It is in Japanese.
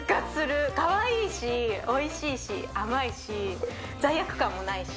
かわいいし、おいしいし、甘いし、罪悪感もないし。